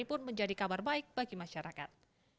pun menjadi kabar baik bagi masyarakat